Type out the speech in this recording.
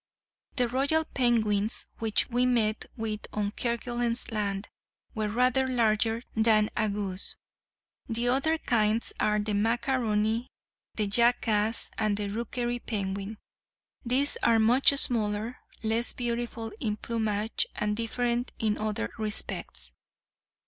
The royal penguins which we met with on Kerguelen's Land were rather larger than a goose. The other kinds are the macaroni, the jackass, and the rookery penguin. These are much smaller, less beautiful in plumage, and different in other respects.